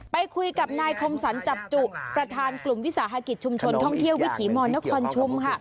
ไปคุยกับไอยน์ขมสัญจับจุประทานกลุ่มวิสาหกิจชุมชนท่องเที่ยววิถีมอนและความชุม